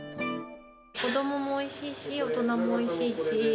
子どももおいしいし、大人もおいしいし。